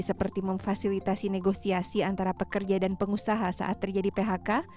seperti memfasilitasi negosiasi antara pekerja dan pengusaha saat terjadi phk